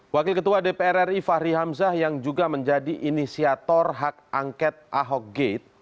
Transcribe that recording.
wakil ketua dpr ri fahri hamzah yang juga menjadi inisiator hak angket ahok gate